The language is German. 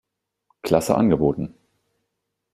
Klasse angeboten.